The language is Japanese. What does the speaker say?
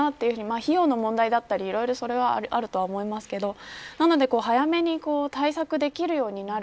費用の問題はいろいろあると思いますけどなので早めに対策できるようになる。